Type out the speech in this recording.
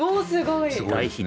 すごい。